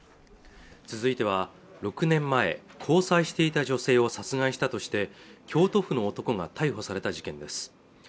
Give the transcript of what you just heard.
続いては６年前交際していた女性を殺害したとして京都府の男が逮捕された事件です